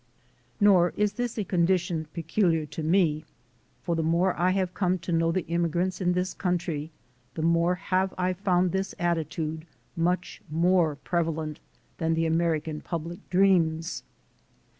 Nor is this a condition peculiar to me, for the more I have come to know the immigrants in this country, the more have I found this attitude much more preva lent than the American public dreams.